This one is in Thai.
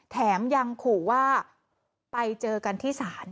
แถมยังขู่ว่าไปเจอกันที่ศาล